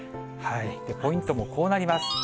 ポイントもこうなります。